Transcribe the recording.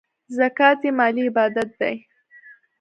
زکات یو مالی عبادت دی .